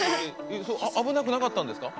危なくなかったんですか？